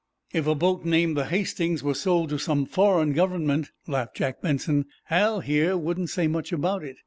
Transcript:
"If a boat named the 'Hastings' were sold to some foreign government," laughed Jack Benson, "Hal, here, wouldn't say much about it.